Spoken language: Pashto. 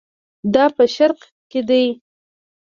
دا په شرق کې دي.